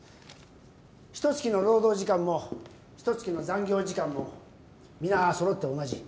ひと月の労働時間もひと月の残業時間も皆揃って同じ